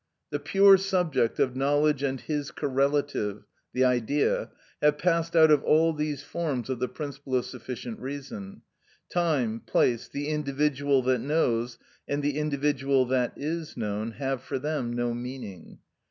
The pure subject of knowledge and his correlative, the Idea, have passed out of all these forms of the principle of sufficient reason: time, place, the individual that knows, and the individual that is known, have for them no meaning.